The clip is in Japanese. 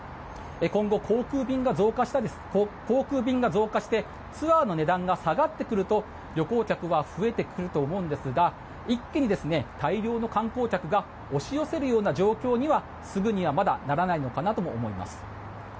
今後、航空便が増加してツアーの値段が下がってくると旅行客は増えてくると思うんですが一気に大量の観光客が押し寄せるような状況にはすぐには、まだならないのかなと思います。